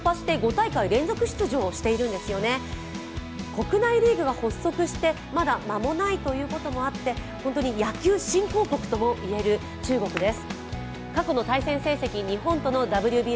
国内リーグが発足してまだ間もないということで、野球新興国とも言える中国です。